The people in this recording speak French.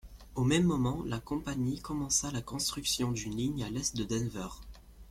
Au même moment, la compagnie commença la construction d'une ligne à l'est de Denver.